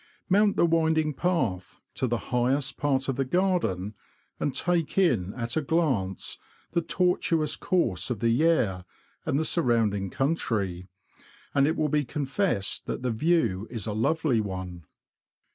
Mount the winding path, to the highest part of the garden, and take in at a glance the tortuous course of the Yare and the surrounding country, and it will be confessed that the view is a lovely one.